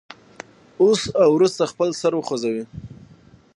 اوس او وروسته خپل سر وخوځوئ.